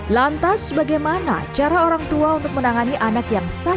lantas bagaimana cara orang tua untuk menangani anak yang sakit